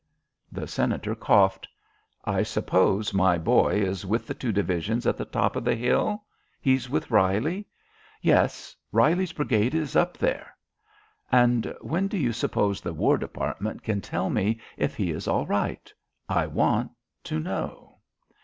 The Senator coughed. "I suppose my boy is with the two divisions at the top of that hill? He's with Reilly." "Yes; Reilly's brigade is up there." "And when do you suppose the War Department can tell me if he is all right. I want to know."